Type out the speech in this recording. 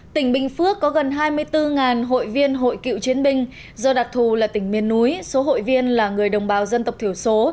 tỉnh bình phước có gần hai mươi bốn hội viên hội cựu chiến binh do đặc thù là tỉnh miền núi số hội viên là người đồng bào dân tộc thiểu số